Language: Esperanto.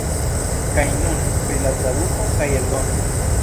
Kaj nun pri la traduko kaj eldono.